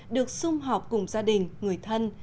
được xung họp cùng gia đình người thân